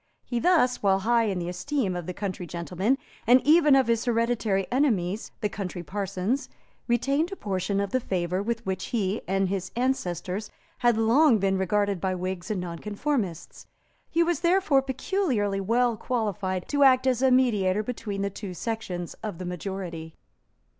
He thus, while high in the esteem of the country gentlemen and even of his hereditary enemies, the country parsons, retained a portion of the favour with which he and his ancestors had long been regarded by Whigs and Nonconformists. He was therefore peculiarly well qualified to act as mediator between the two sections of the majority.